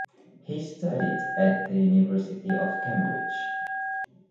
He studied at the University of Cambridge.